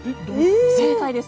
正解です。